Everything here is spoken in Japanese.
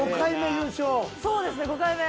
そうですね５回目。